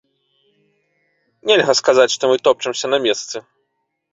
Нельга сказаць, што мы топчамся на месцы.